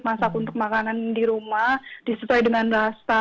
masak untuk makanan di rumah disesuai dengan rasa